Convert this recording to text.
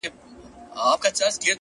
گراني شاعري ستا په خوږ ږغ كي ـ